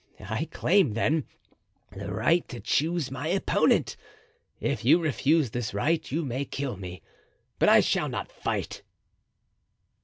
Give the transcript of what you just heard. I claim, then, the right to choose my opponent. If you refuse this right you may kill me, but I shall not fight."